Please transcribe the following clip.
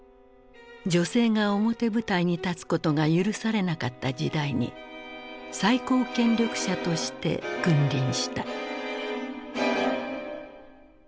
女性が表舞台に立つことが許されなかった時代に最高権力者として君臨した。